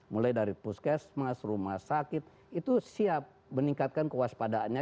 mulai dari puskesmas rumah sakit itu siap meningkatkan kewaspadaannya